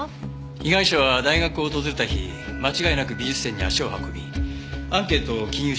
被害者は大学を訪れた日間違いなく美術展に足を運びアンケートを記入しています。